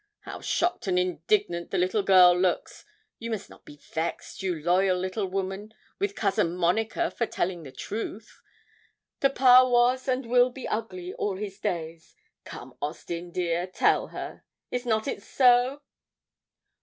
How shocked and indignant the little girl looks! You must not be vexed, you loyal little woman, with Cousin Monica for telling the truth. Papa was and will be ugly all his days. Come, Austin, dear, tell her is not it so?'